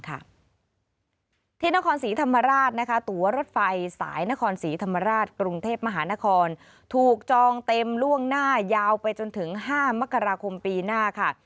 ที่นครศรีธรรมราชนะคะตัวรถไฟสายนครศรีธรรมราชกรุงเทพมหานครถูกจองเต็มล่วงหน้ายาวไปจนถึง๕มกราคมปีหน้าค่ะ